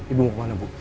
ibu mau kemana bu